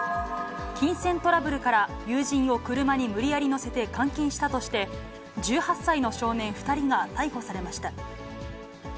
金銭トラブルから、友人を車に無理やり乗せて監禁したとして、１８歳の少年２人が逮捕されました。